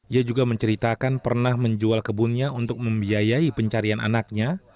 ia juga menceritakan pernah menjual kebunnya untuk membiayai pencarian anaknya